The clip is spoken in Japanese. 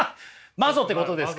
マゾってことですか。